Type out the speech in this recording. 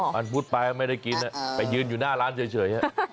มันพุดไปไม่ได้กินไปยืนอยู่หน้าร้านเฉย